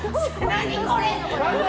何これ？